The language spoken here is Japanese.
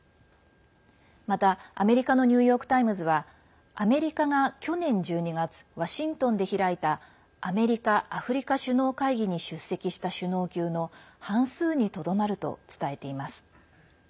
また、アメリカのニューヨーク・タイムズはアメリカが去年１２月ワシントンで開いたアメリカ・アフリカ首脳会議に出席した首脳級の半数にとどまると伝えています。